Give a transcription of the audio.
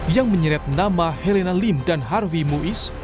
yang menyeret nama herena lim dan harvey muiz